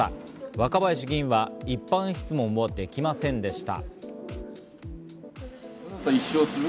若林議員は一般質問をできませんでした。